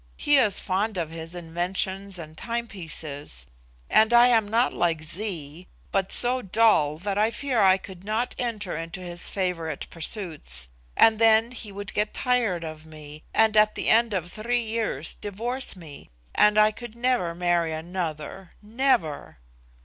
He is fond of his inventions and timepieces; and I am not like Zee, but so dull that I fear I could not enter into his favourite pursuits, and then he would get tired of me, and at the end of three years divorce me, and I could never marry another never."